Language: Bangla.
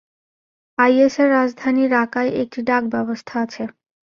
আইএসের রাজধানী রাকায় একটি ডাকব্যবস্থা আছে।